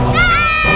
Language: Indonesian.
gak ada apa apa